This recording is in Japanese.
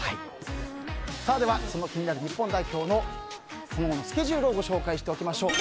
では気になる日本代表の今後のスケジュールをご紹介しておきましょう。